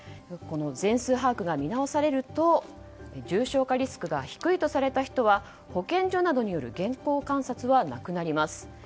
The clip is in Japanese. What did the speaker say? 全数把握が見直されると重症化リスクが低いとされた人は保健所などによる健康観察はなくなります。